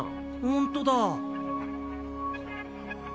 ほんとだ。